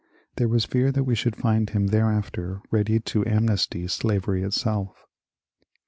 There was fear that we should find him thereafter ready to amnesty slavery itself.